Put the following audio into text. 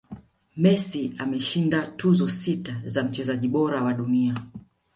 messi ameshinda tuzo sita za mchezaji bora wa dunia